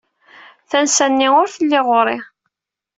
Tansa-nni ur telli ɣer-i.